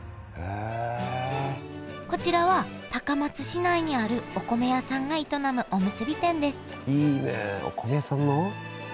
こちらは高松市内にあるお米屋さんが営むおむすび店ですいいねお米屋さんの？